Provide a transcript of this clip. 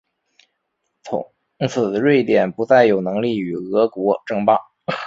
从此瑞典不再有能力与俄国争霸。